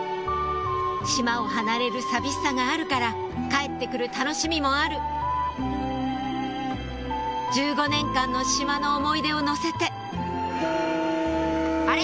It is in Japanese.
島を離れる寂しさがあるから帰って来る楽しみもある１５年間の島の思い出を乗せてあれ？